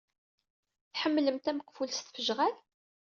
Tḥemmlemt ameqful s tfejɣal?